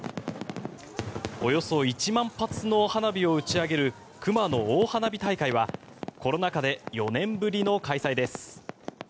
およそ１万発の花火を打ち上げる熊野大花火大会はコロナ禍で４年ぶりの開催です。